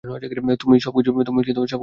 তুমি সব কিছু নষ্ট করে দিয়েছো।